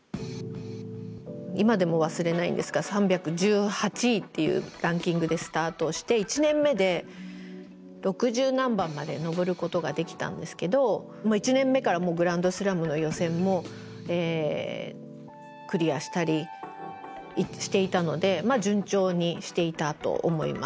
今でも忘れないんですが３１８位っていうランキングでスタートして１年目で六十何番まで上ることができたんですけど１年目からグランドスラムの予選もクリアしたりしていたのでまあ順調にしていたと思います。